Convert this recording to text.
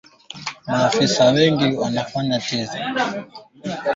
na maafisa wengine wakati wa ziara yake mjini kampala